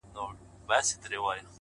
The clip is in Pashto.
علم د عقل او فکر توازن دی’